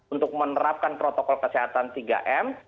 untuk menerapkan protokol kesehatan tiga m